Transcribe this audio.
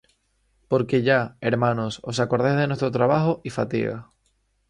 Porque ya, hermanos, os acordáis de nuestro trabajo y fatiga: